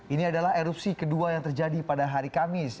ini adalah erupsi kedua yang terjadi pada hari kamis